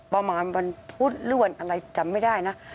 ประมาณวันพุธหรือวันอะไรจำไม่ได้นะ